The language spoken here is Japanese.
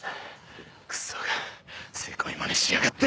クソがセコいまねしやがって。